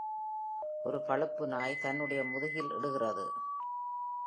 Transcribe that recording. ஒரு பழுப்பு நாய் தன்னுடைய முதுகில் இடுகிறது.